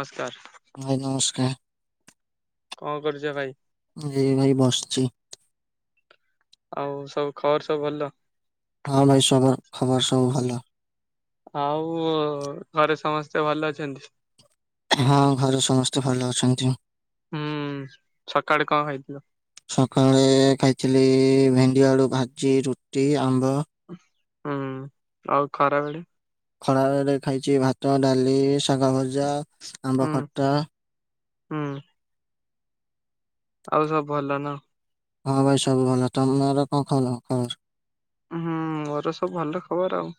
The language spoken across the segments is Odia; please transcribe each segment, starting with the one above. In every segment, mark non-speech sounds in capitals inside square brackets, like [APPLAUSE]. ନମସ୍କାର। ଭାଇ ନମସ୍କାର। କଣ କରୁଛ ଭାଇ? ଏଇ ଭାଇ ବସିଛି। ଆଉ ସବୁ ଖବର ସବୁ ଭଲ। ହଁ ଭାଇଖବର ସବୁ ଭଲ। ଆଉ ଘରେ ସମସ୍ତେ ଭଲ ଅଛନ୍ତି? ହଁ ଘରେ ସମସ୍ତେ ଭଲ ଅଛନ୍ତି। ହୁଁ ସକାଳେ କଣ ଖାଇଥିଲ? ସକାଳେ ଖାଇଥିଲି ଭେଣ୍ଡି ଆଳୁ ଭାଜି, ରୁଟି, ଆମ୍ବ। ହୁଁ, ଆଉ ଖରାବେଳେ? ଖରାବେରେ ଖାଇଛି ଭାତ, ଡାଲି, ଶାଗ ଭଜା, ଆମ୍ବ ହୁଁ ଖଟା। ହୁଁ। ଆଉ ସବୁ ଭଲ ନା। ହଁ ଭାଇ ସବୁ ଭଲ। ତମର କଣ ଭଲ ଖବର? ହୁଁ ମୋର ସବୁ ଭଲ ଖବର ଆଉ।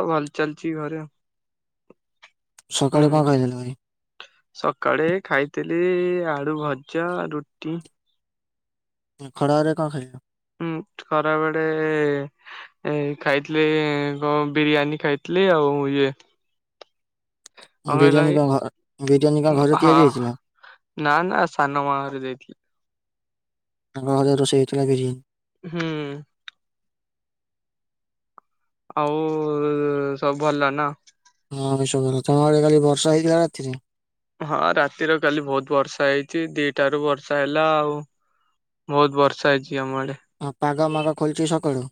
ଆଉ ଭଲ ଚାଲିଛି ଘରେ ଆଉ ସକାଳେ କଣ ହୁଁ। ଖାଇଥିଲ ଭାଇ? ସକାଳେ ଖାଇଥିଲି ଆଳୁ ଭଜା, ରୁଟି। ଖରା ବେଳେ ର କଣ ଖାଇଲ? ହୁଁ, ଖରାବେଳେ। ଏ ଖାଇଥିଲି କଣ ବିରିୟାନୀ ଖାଇଥିଲି ଆଉ ଇଏ। କଣ କହିଲ ବିରିୟାନୀ ଏଇ କଣ ବିରିୟାନୀ କଣ ଘରେ ହଁ ତିଆରି ହେଇଥିଲା? ନା ନା ସାନ ମା ଘରେ ଦେଇଥିଲେ। ତାଙ୍କ ଘରେ ରୋଷେଇ ହେଇଥିଲା ବିରିୟାନି। ହୁଁ। ଆଉ ସବୁ ଭଲ ନା? ହଁ ଆମେ ସବୁ ଭଲ। ତମ ଆଡେ କାଲି ବର୍ଷା ହେଇଥିଲା ରାତିରେ? ହଁ ରାତିରେ କାଲି ବହୁତ ବର୍ଷା ହେଇଛି। ଦିଟା ରୁ ବର୍ଷା ହେଲା ଆଉ। ବହୁତ ବର୍ଷା ହେଇଛି ଆମ ଆଡେ। ହଁ ପାଗ ମାଗ ଖୋଲିଛି ସକାଳୁ?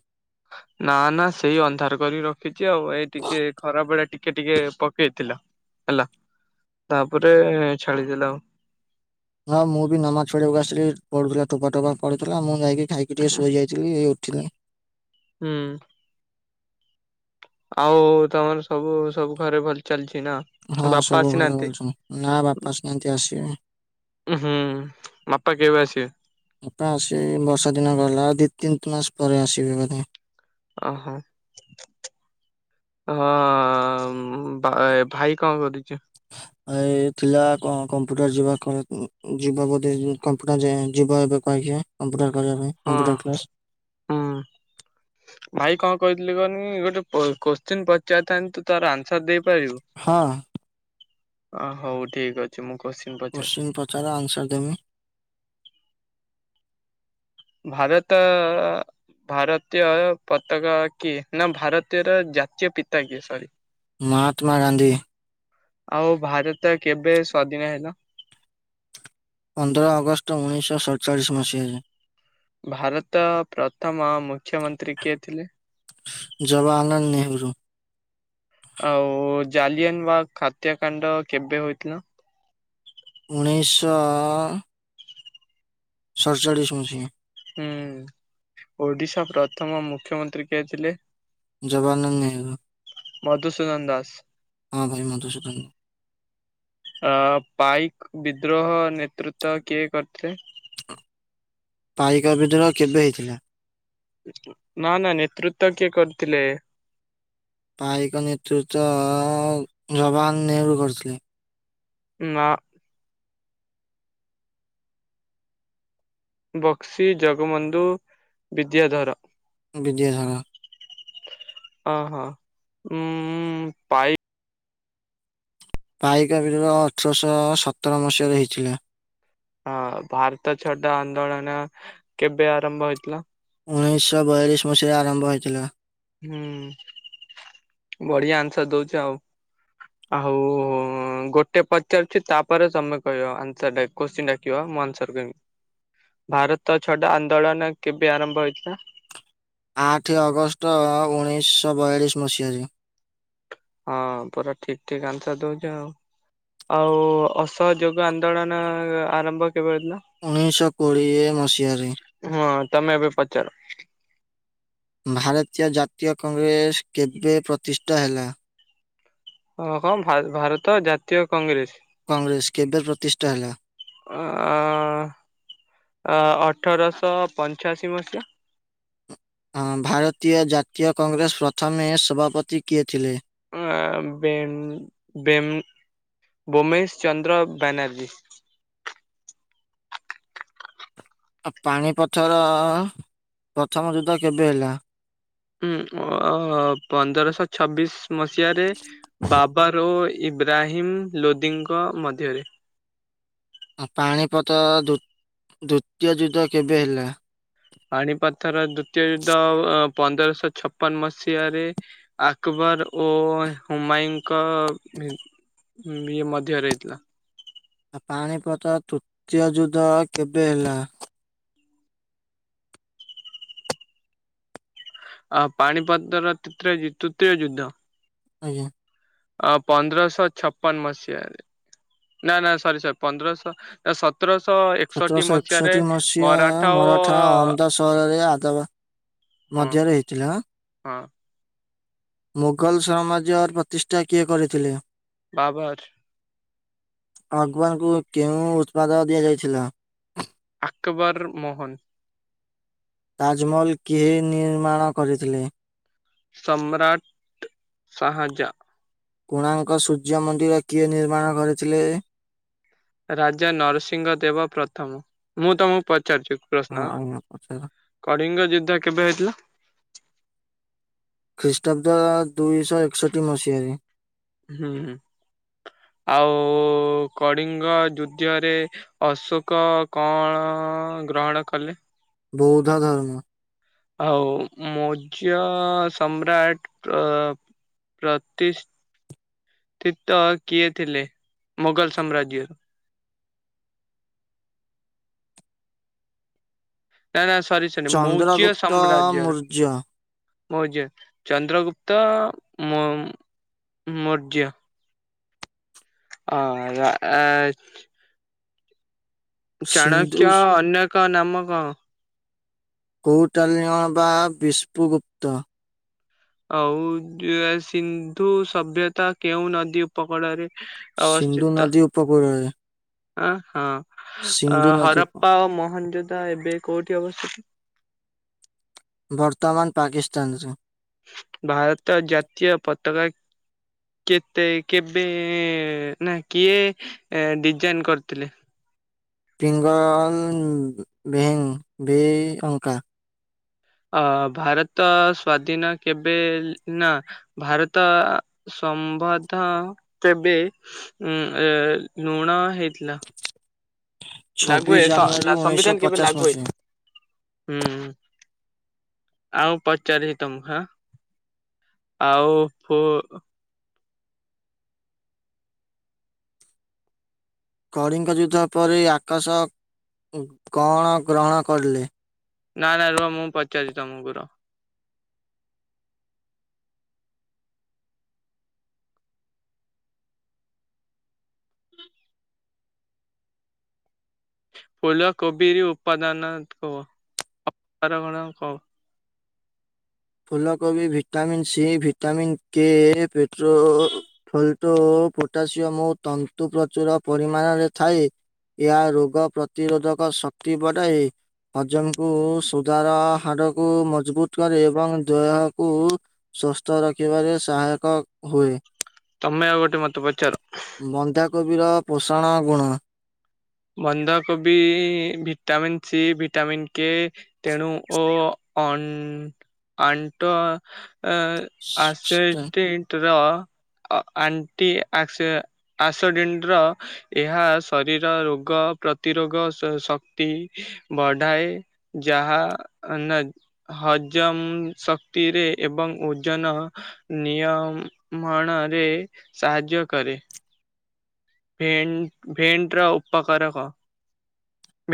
ନା ନା ସେଇ ଅନ୍ଧାର କରି ରଖିଛି ଆଉ। ଏଇ ଟିକେ ଖରାବେଳେ ଟିକେ ଟିକେ ପକେଇଥିଲା। ହେଲା। ତାପରେ ଛାଡିଦେଲା ଆଉ। ହଁ ମୁଁ ବି ନମାଜ୍ ପଢିବାକୁ ଆସିଲି। ପଢୁଥିଲା ଟୋପା ଟୋପା ପଡୁଥିଲା ମୁଁ ଯାଇକି। ଖାଇକି ଟିକେ ଶୋଇ ଯାଇଥିଲି ଏଇ ଉଠିନି। ହୁଁ। ଆଉ ତମର ସବୁ ସବୁ ଘରେ ଭଲ ଚାଲଛି ନା? ହଁ ବାପା ସବୁ ଘରେ ଆସିନାହାନ୍ତି? ଭଲ୍ [UNINTELLIGIBLE] ନା ବାପା ଆସନାହାନ୍ତି ଆସିବେ। ଉଁ ହୁଁ ମାପା କେବେ ଆସିବେ? ବାପା ଆସିବେ ଏ ବର୍ଷା ଦିନ ଗଲା ଦି ତିନ୍ ତ୍ ମାସ୍ ପରେ ଆସିବେ ବୋଧେ। ଅହ। ହଁ ବାଏ ଭାଇ କଁ କରୁଚି? ଭାଇ ଥିଲା କଁ କମ୍ପ୍ୟୁଟର ଯିବ କ ଯିବ ବୋଧେ [UNINTELLIGIBLE] କମ୍ପୁଟର୍ କରିଆ ପାଇଁ। Computer class. ହଁ ହୁଁ। ଭାଇ କଁ କହିଥିଲି କହନି ଗୋଟେ କୋ କୋଶ୍ଚିିନ୍ ପଚାରିଥାନ୍ତି ତୁ ତାର ଆନ୍ସର ଦେଇପାରିବୁ? ହଁ। ଅ ହଉ ଠିକ୍ ଅ ଚି ମୁଁ କୋଶ୍ଚିିନ୍ ପ କୋଶ୍ଚିନ୍ ପଚାର ଆନ୍ସର୍ ଦେମି। ଭାରତ ଅ-ଅ-ଅ ଭାରତୀୟ ପତାକା କିଏ ନା ଭାରତୀୟର ଜାତୀୟ ପିତା କିଏ? ସରି। ମହାତ୍ମା ଗାନ୍ଧୀ। ଆଉ ଭାରତ କେବେ ସ୍ବାଧୀନ ହେଲା? ପନ୍ଦର ଅଗଷ୍ଟ ଉଣେଇଶ ସଚାଳିଶ୍ ମସିହାରେ। ଭାରତ ପ୍ରଥମ ମୁଖ୍ୟମନ୍ତ୍ରୀ କିଏ ଥିଲେ? ଜବାହାରନାନ୍ ନେହେରୁ। ଆଉ ଜାଲିଆନ୍ ବାଗ ଖାତ୍ୟାକାଣ୍ଡ କେବେ ହୋଇଥିଲା? ଉଣେଇଶ ସଡ୍ଚାଳିଶ୍ ମସିହା। ହୁଁ ଓଡିଶା ପ୍ରଥମ ମୁଖ୍ୟମନ୍ତ୍ରୀ କିଏ ଥିଲେ? ଜବା [UNINTELLIGIBLE] ନେହେରୁ। ମଧୁସୂଦନ ଦାସ୍। ହଁ ଭାଇ ମଧୁସୂଦନ୍। ଆ ପାଇକ୍ ବିଦ୍ରୋହ ନେତୃତ୍ବ କିଏ କରିଥିଲେ? ପାଇକ ବିଦ୍ରୋହ କେବେ ହେଇଥିଲା? ନା ନା ନେତୃତ୍ୱ କିଏ କରିଥିଲେ? ପାଇକ ନେତୃତ୍ଵ ଜବାହାର୍ ନେହେରୁ କରିଥିଲେ। ନା। ବକ୍ସି ଜଗବନ୍ଧୁ ବିଦ୍ୟାଧର। ବିଦ୍ୟାଧର। ଅ ହ ଉଁ-ଉଁ-ଉଁ ପାଇ ପାଇକ ବି [UNINTELLIGIBLE] ଅଠରଶ ସତର ମସିହାରେ ହେଇଥିଲା। ହଁ ଭାରତ ଛାଡ ଆନ୍ଦୋଳନ କେବେ ଆରମ୍ଭ ହେଇଥିଲା? ଉଣେଇଶ ବୟାଳିଶ୍ ମସିହାରେ ଆରମ୍ଭ ହେଇଥିଲା। ହୁଁ ବଢିଆ ଆନ୍ସର୍ ଦଉଚ ଆଉ। ଆହୁ ଉଁ ଗୋଟେ ପଚାରୁଚି ତାପରେ ତମେ କହିଅ ଆନ୍ସର୍ ଟା। କୋଶ୍ଚିନ୍ ଡାକିବ ମୁଁ ଆନ୍ସର୍ ଦେମି। ଭାରତ ଛଡା ଆନ୍ଦୋଳନ କେବେ ଆରମ୍ଭ ହେଇଥିଲା? ଆଠେ ଅଗଷ୍ଟ ଉଣେଇଶ ବୟାଳିଶ୍ ମସିହାରେ। ହଁ ପୁରା ଠିକ୍ ଠିକ୍ ଆନ୍ସର ଦଉଚ ଆଉ। ଆଉ ଅସହଯୋଗ ଆନ୍ଦୋଳନ ଆରମ୍ଭ କେବେ ହେଇଥିଲା। ଉଣେଇଶହ କୋଡ଼ିଏ ମସିହାରେ। ହଁ ତମେ ଏବେ ପଚାର। ଭାରତୀୟ ଜାତୀୟ କଂଗ୍ରେସ କେବେ ପ୍ରତିଷ୍ଠା ହେଲା? ହଁ ହଁ ଭା ଭାରତ ଜାତୀୟ କଂଗ୍ରେସ କଂଗ୍ରେସ କେବେ ପ୍ରତିଷ୍ଠା ହେଲା! ଅ ଅ ଅଠରଶହ ପଞ୍ଚାଅଶୀ ମସିହା। ହଁ ଭାରତୀୟ ଜାତୀୟ କଂଗ୍ରେସ ପ୍ରଥମେ ସଭାପତି କିଏ ଥିଲେ? ଉ ଆ ବେନ ବେମ୍ ଭୋମେଶ ଚନ୍ଦ୍ର ବ୍ୟାନାର୍ଜୀ। ଆ ପାଣିପଥର ପ୍ରଥମ ଯୁଦ୍ଧ କେବେ ହେଲା? ହୁଁ ଅ ପନ୍ଦରଶହ ଛବିଶ ମସିହାରେ। ବାବାରୋ ଇବ୍ରାହିମ୍ ଲୋଦିଙ୍କ ମଧ୍ୟରେ। ଆ ପାଣିପଥ ଦୂତ୍ ଦ୍ଵିତୀୟ ଯୁଦ୍ଧ କେବେ ହେଲା? ପାଣିପଥର ଦ୍ଵିତୀୟ ଯୁଦ୍ଧ ଅ ପନ୍ଦରଶହ ଛପନ ମସିହାରେ ଆକବର ଓ ହୁମାୟଁଙ୍କ ଭିତ୍ ବି ଇଏ ମଧ୍ୟରେ ହେଇଥିଲା। ଆ ପାଣିପଥ ତୃତୀୟ ଯୁଦ୍ଧ କେବେ ହେଲା? ଆ ପାଣିପତର ତୁତିଅ ତୃତୀୟ ଯୁଦ୍ଧ ଆଜ୍ଞା। ଅ ପନ୍ଦରଶହ ଛପନ ମସିହାରେ ନା ନା ସରି ସରି ପନ୍ଦରଶହ ସତରଶହ ଏକଷଠି ସତରଶହ ମସିହାରେ ଏକଷଠି ମସିହା ମରାଠା ଓ ଅହମ୍ମଦା ସହରରେ ଆଦବା ହଁ ମଧ୍ୟରେ ହେଇଥିଲେ ହଁ। ହଁ। ମୋଗଲ ସମାଜ୍ୟର ପ୍ରତିଷ୍ଠା କିଏ କରିଥିଲେ? ବାବର୍। ଅଗବାର୍ ଙ୍କୁ କେଉଁ ଉତ୍ପାଦ ଦିଆଯାଇଥିଲା? ଆକବର ମୋହନ। ତାଜମହଲ କିଏ ନିର୍ମାଣ କରିଥିଲେ? ସମ୍ରାଟ୍ ସାହାଜା। କୋଣାାର୍ଙ୍କ ସୂର୍ଯ୍ୟ ମନ୍ଦିର କିଏ ନିର୍ମାଣ କରିଥିଲେ? ରାଜା ନରସିଂହ ଦେବ ପ୍ରଥମ ମୁଁ ତମକୁ ପଚାରୁଚି। ହଁ ଅ ହଁ ପଚାର। କଳିଙ୍ଗ ଯୁଦ୍ଧ କେବେ ହେଇଥିଲା? ଖ୍ରୀଷ୍ଟାବ୍ଦ ଦୁଇଶହ ଏକଷଠି ମସିହାରେ। ହୁଁଁ ଆଉ କଳିଙ୍ଗ ଦ୍ୱିତୀୟ ରେ ଅଶୋକ କଣ ଗ୍ରହଣ କଲେ? ବୌଦ୍ଧ ଧର୍ମ। ଆଉ ମୌଜ ସମ୍ରାଟ ତ ପ୍ରତି ଷ୍ଠିତ କିଏ ଥିଲେ ମୋଗଲ ସାମ୍ରାଜ୍ୟରୁ? ନା ନା ସରି ସରି ମୋୖଜ ଚନ୍ଦ୍ରଗୁପ୍ତ ସାମ୍ରାଜ୍ୟର? ମୌର୍ଯ୍ୟ ମୌର୍ଯ୍ୟ ଚନ୍ଦ୍ରଗୁପ୍ତ ମୋମ୍ ମୌର୍ଯ୍ୟ। ଅ ୟା ଆଜ ସିନ୍ଧୁ ଚାଣକ୍ୟ ଅନ୍ୟକ ନାମ କଣ? କୌଟାଲ୍ୟ ବା ବିଷ୍ପୁଗୁପ୍ତ। ଆଉ ସିନ୍ଧୁ ସଭ୍ୟତା କେଉଁ ନଦୀ ଉପକୂଳରେ ସିନ୍ଧୁ ଅବସ୍ଥିତ ନଦୀ ଉପକୂଳରେ ଆ ହଁ। ଅ ସିନ୍ଧୁ ନଦୀ ଉପ- ହରପ୍ପା ଓ ମହନଯୋଧା ଏବେ କୋଉଠି ଅବସ୍ତିତ? ବର୍ତ୍ତମାନ ପାକିସ୍ତାନରେ। ଭାରତ ଜାତୀୟ ପତାକା କେତେ କେବେ ନା କିଏ ଡିଜାଇନ୍ କରିଥିଲେ? ପିଙ୍ଗଲ ବେହେଙ୍ଗ ଭି ଅଙ୍କା। ଅ ଭାରତ ସ୍ଵାଧୀନ କେବେ ନା ଭାରତ ସମ୍ବଧ ତେବେ ଉ ଲୁଣ ହେଇଥିଲା? ଲାଗୁ ଛବିଶ ଜାନୁଆରୀ ହ ଉଣେଇଶହ ସମ୍ବିଧାନ କେବେ ପଚାଶ ଲାଗୁ ମସିହା ହେଇଥିଲା? ଆଉ ପଚାରିବି ତମକୁ ହାଁ ଆଉ ପୁ କଳିଙ୍ଗ ଯୁଦ୍ଧ ପରେ ଆକାଶ କଣ ଗ୍ରହଣ କରିଲେ? ନା-ନା ରୁହ ମୁଁ ପଚାରୁିଛି ତମକୁର। ଫୁଲ କୋବି ଉପାଦାନ କୁହ [UNINTELLIGIBLE] କଣ କହ? ଫୁଲକୋବି ଭିଟାମିନ ସି ଭିଟାମିନ କେ ପେଟ୍ର ଫୋଲଟୋ, ପୋଟାସିୟମ ତନ୍ତୁ ପ୍ରଚୁର ପରିମାଣରେ ଥାଏ। ଏହା ରୋଗ ପ୍ରତିରୋଧକ ଶକ୍ତି ବଢାଏ। ହଜମକୁ ସୁଧାର ହାଡକୁ ମଜବୁତ୍ କରେ। ଏବଂ ଦେହକୁ ସୁସ୍ଥ ରଖିବାରେ ସହାୟକ ହୁଏ। ତମେ ଆଉ ଗୋଟେ ମତେ ପଚାର। ବନ୍ଧାକୋବିର ପୋଷଣ ଗୁଣ? ବନ୍ଧାକୋବି ଭିଟାମିନ୍ ସି ଭିଟାମିନ୍ କେ ତେଣୁ ଓ ଅ ଆଣ୍ଟ ଆସିଡେଣ୍ଟ ର ଆଣ୍ଟି [UNINTELLIGIBLE] ବଏହା ଶରୀର ରୋ ରୋଗ ପ୍ରତିରୋଗ ଶକ୍ତି ବଢାଏ। ଯାହା [UNINTELLIGIBLE] ହଜମ ଶକ୍ତିରେ ଏବଂ ଓଜନ ନିୟମଣରେ ସାହାର୍ଯ୍ୟ କରେ। [UNINTELLIGIBLE] ଉପକାର କଣ?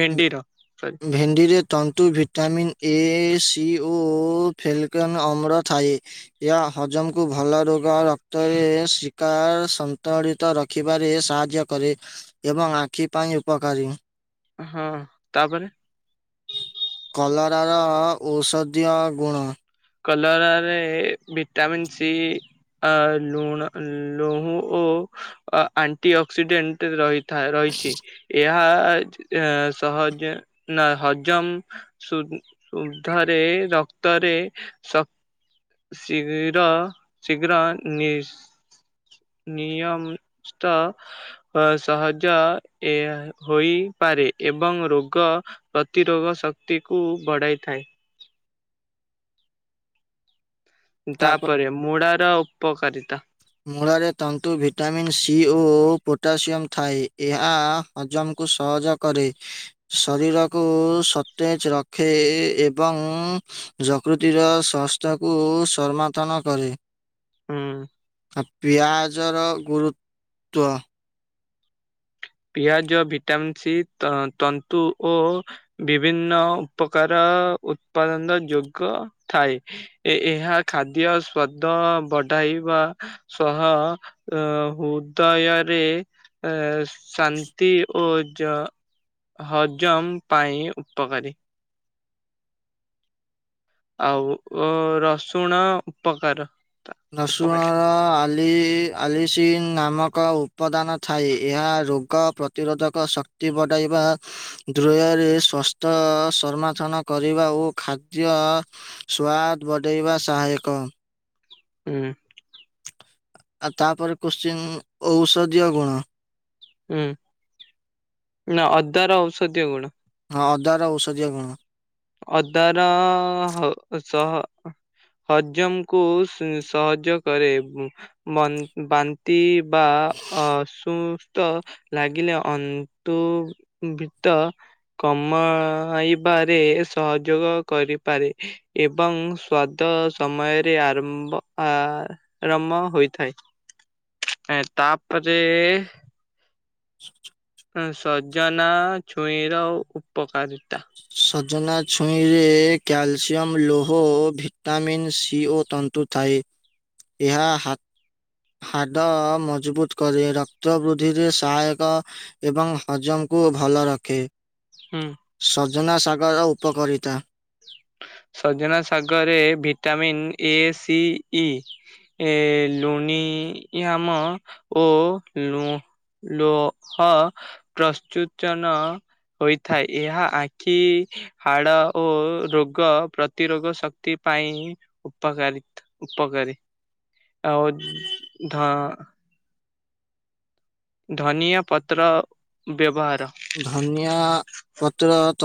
[INAUDIBLE] ସରି। ଭେଣ୍ଡିରେ ତନ୍ତୁ ଭିଟାମିନ୍ ଏ ସି ଓ ଫେଲକନ୍ ଅମ୍ଲ ଥାଏ। ଏହା ହଜମକୁ ଭଲ ରୋଗ ରକ୍ତରେ ଶିକାର ଳିତ ରଖିବାରେ ସାହାଯ୍ୟ କରେ ଏବଂ ଆଖି ପାଇଁ ଉପକାରୀ। ହଁ ତାପରେ କଲରାର ଔଷଧୀୟ ଗୁଣ? କଲରାରେ ଭିଟାମିନ୍ ସି ଆ ଲୁଣ ଲୁହୁ ଓ ଆଣ୍ଟି ଅକ୍ସିଡେଣ୍ଟ ରହି ରହିଛି ଏହା ସହଜେ ହଜମ୍ ସୁ [UNINTELLIGIBLE] ରକ୍ତରେ ଶୀଘ୍ର-ଶୀଘ୍ର ନି ନିୟମ ତ ଅ ସହଜ ଏହା ହୋଇପାରେ ଏବଂ ରୋଗ ପ୍ରତିରୋଗ ଶକ୍ତି କୁ ବଢାଇଥାଏ। ତାପ ତାପରେ ମୁଡାର ଉପକାରିତା ମୂଳରେ ତନ୍ତୁ ଭିଟାମିନ୍ ସି ଓ ପୋଟାସିୟମ୍ ଥାଏ ଏହା ହଜମ କୁସହଜ କରେ। ଶରୀରକୁ ସତେଜ ରଖେ ଏବଂ ଯକୃତିର ସ୍ଵସ୍ଥ୍ୟକୁ ସମର୍ଥନ କରେ ହୁଁ। ପିଆଜର ଗୁରୁତ୍ତ। ପିଆଜ ଭିଟାମିନ୍ ସି ତନ୍ତୁ ଓ ବିଭିନ୍ନ ଉପକାର ଉତ୍ପାଦନର ଯୋଗ ଥାଏ। ଏ ଏହା ଖାଦ୍ୟ ସ୍ୱାଦ ବଢାଇବା ସହ ଅ ହୃଦୟରେ ଶାନ୍ତି ଓ ହଜମ ପାଇଁ ଉପକାରୀ। ଆଉ ରସୁଣ ଉପକାର। ଉପକାରୀ ରସୁଣର ଆ ଆଲିସିନ୍ ନାମକ ଉପଦାନ ଥାଏ ଏହା ରୋଗ ପ୍ରତିରୋଧକ ଶ କି ବଟାଇବା ଦ୍ରୟରେ ସ୍ୱାସ୍ଥ୍ୟ ସମର୍ଥନ କରିବା ଓ ଖାଦ୍ୟ ସ୍ଵାଦ ବଢେଇବା ସହାୟକ। ହୁଁ। ଆଉ ତାପରେ କୋଶ୍ଚିନ୍ ଔଷଧୀୟ ଗୁଣ ହୁଁ ନା ଅଦାର ଔଷଧୀୟ ଗୁଣ। ହଁ ଅଦାର ଔଷଧୀୟ ଗୁଣ। ଅଦାର ହ ସହ ହଜମକୁ ସହଜ କରେ? ବାନ୍ତି ବା ଅସୁସ୍ଥ ଲାଗିଲେ ଅନ୍ତୁବିତ କମାଇବାରେ ସହଯୋଗ କରିପାରେ। ଏବଂ ସ୍ୱାଦ ସମୟରେ ଆରମ୍ଭ ଆ ରମ ହୋଇଥାଏ ତାପରେ ସ ସଜନା ଛୁଇଁର ଉପକାରିତା। ସଜନା ଛୁଇଁରେ ଏକ କ୍ୟାଲସିୟମ୍ ଲୋହ ଓ ଭିଟାମିନ୍ ସି ଓ ତନ୍ତୁ ଥାଏ। ଏହା ହା ହାଡ଼ ମଜବୁତ କରେ ରକ୍ତ ବୃଦ୍ଧିରେ ସହାୟକ ଏବଂ ହଜମକୁ ଭଲ ରଖେ। ହୁଁ ସଜନା ସାଗର ଉପକାରିତା। ସଜନା ଶାଗରେ ଭିଟାମିିନ ଏ ସି ଇ ଏ ଲୁଣି ଆମ ଓ ଲୁ ଲୋହ ପ୍ରସ୍ତୁତନ ହୋଇଥାଏ ଏହା ଆଖି ହାଡ଼ ଓ ରୋ ରୋଗ ପ୍ରତିରୋଗ ଶକ୍ତି ପାଇଁ ଉପକାରୀ ଉପକାରୀ। ଆଉ ଧ। ଧନିଆ ପତ୍ର ବ୍ୟବହାର। ଧନିଆ ପତ୍ର ତ